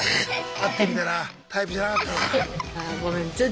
「会ってみたらタイプじゃなかった」。